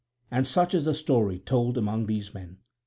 And such is the story told among these men.